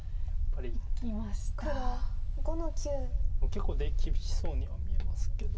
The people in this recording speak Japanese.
結構出厳しそうには見えますけど。